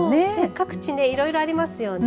各地いろいろありますよね。